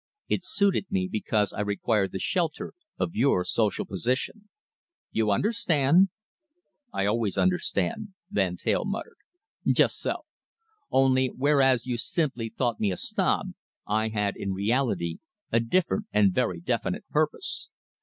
It suited me because I required the shelter of your social position. You understand?" "I always understand," Van Teyl muttered. "Just so. Only, whereas you simply thought me a snob, I had in reality a different and very definite purpose.